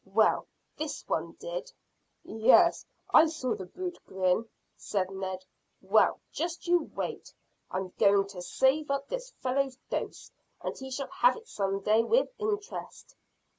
Well, this one did." "Yes, I saw the brute grin," said Ned. "Well, just you wait. I'm going to save up this fellow's dose, and he shall have it some day with interest."